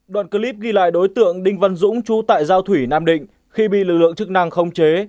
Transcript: đoạn clip ghi lại đối tượng đinh văn dũng chú tại giao thủy nam định khi bị lực lượng chức năng khống chế